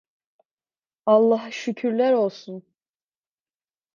Allaha şükürler olsun!